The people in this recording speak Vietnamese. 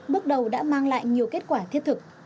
bước đầu đã mang lại nhiều kết quả thiết thực